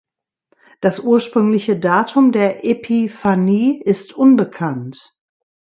Das ursprüngliche Datum der Epiphanie ist unbekannt.